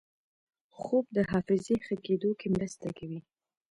خوب د حافظې ښه کېدو کې مرسته کوي